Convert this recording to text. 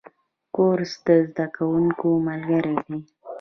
کورس د زده کوونکو ملګری دی.